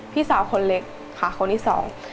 พี่สาวคนเล็กค่ะคนที่สอง